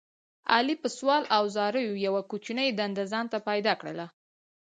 علي په سوال او زاریو یوه کوچنۍ دنده ځان ته پیدا کړله.